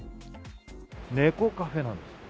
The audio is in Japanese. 猫カフェなんです。